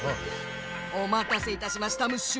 おまたせいたしましたムッシュ。